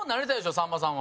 さんまさんは。